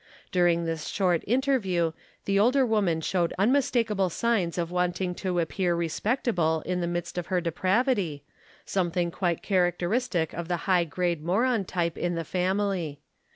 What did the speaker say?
During the short interview the older woman showed unmistak able signs of wanting to appear respectable in the midst of her depravity, something quite characteristic of the high grade moron type in the family.